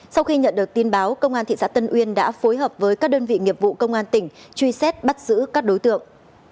sau khi nhận được tin báo công an thị xã tân uyên đã phối hợp với các đơn vị nghiệp vụ công an tỉnh truy xét bắt giữ các đối tượng